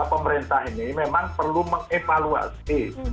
pemerintah ini memang perlu mengevaluasi